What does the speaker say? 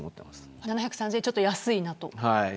７３０円は、ちょっと安いと。